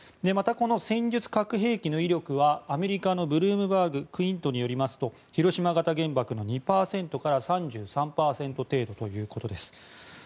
また、この戦術核兵器の威力はアメリカのブルームバーグクイントによりますと広島型原爆の２％から３３％程度ということです。